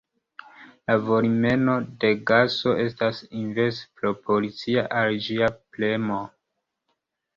La volumeno de gaso estas inverse proporcia al ĝia premo.